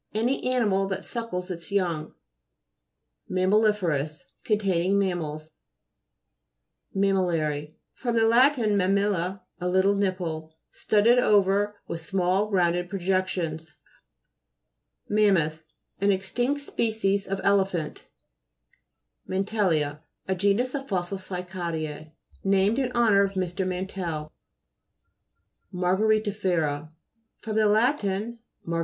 Any animal that suckles its young. MAMMALI'FEROTJS Containing mam mals. MAMMI'LLARY fr. lat. mammilla, a little nipple. Studded over with small rounded projections. MAMMOTH An extinct species of elephant. MANTE'LLIA A genus of fossil cy ca'deffi, named in honour of Mr. Mantell. MA'RGABETI'JERA fr. lat. marga 226 GLOSSARY. GEOLOGY.